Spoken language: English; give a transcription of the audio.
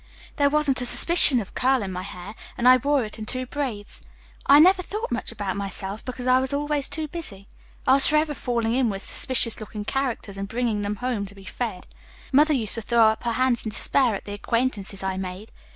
There wasn't a suspicion of curl in my hair, and I wore it in two braids. I never thought much about myself, because I was always too busy. I was forever falling in with suspicious looking characters and bringing them home to be fed. Mother used to throw up her hands in despair at the acquaintances I made.